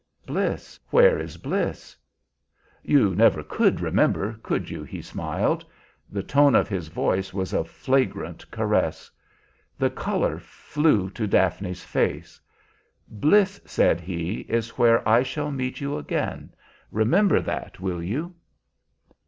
"Bliss! Where is Bliss?" "You never could remember, could you?" he smiled. The tone of his voice was a flagrant caress. The color flew to Daphne's face. "Bliss," said he, "is where I shall meet you again: remember that, will you?"